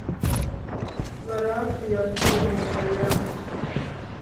barafu yavuye mu nda ya nde’